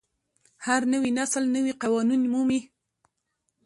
هر نوی نسل نوي قوانین مومي.